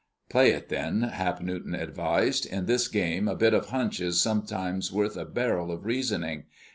"Play it, then," Hap Newton advised. "In this game a bit of a hunch is sometimes worth a barrel of reasoning.